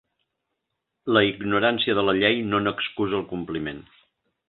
La ignorància de la llei no n'excusa el compliment.